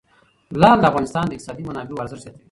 لعل د افغانستان د اقتصادي منابعو ارزښت زیاتوي.